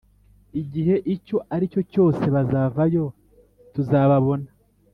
igihe icyo aricyo cyose bazavayo tuzababona